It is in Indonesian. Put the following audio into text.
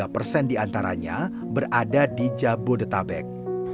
sebelas tiga persen di antaranya berada di jabodetabek